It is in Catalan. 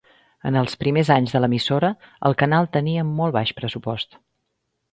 En els primers anys de l'emissora, el canal tenia molt baix pressupost.